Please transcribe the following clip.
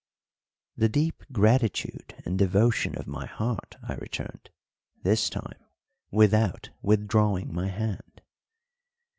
"The deep gratitude and devotion of my heart," I returned, this time without withdrawing my hand.